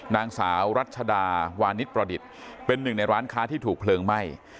นางสาวรัชดาวานิสประดิษฐ์เป็นหนึ่งในร้านค้าที่ถูกเพลิงไหม้